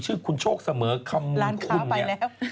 ชื่อคุณโชคเสมอคำคุณเนี่ย